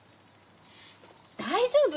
大丈夫！